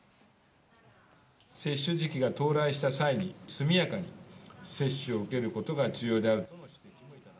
接種時期が到来した際に、速やかに接種を受けることが重要である。